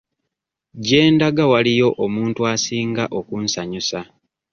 Gye ndaga waliyo omuntu asinga okunsanyusa.